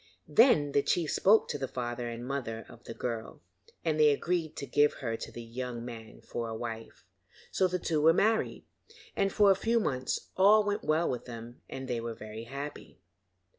Then the chief spoke to the father and the mother of the girl, and they agreed to give her to the young man for a wife. So the two were married, and for a few months all went well with them and they were very happy.